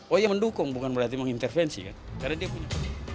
oh iya mendukung bukan berarti mengintervensi kan karena dia punya